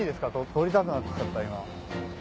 撮りたくなって来ちゃった今。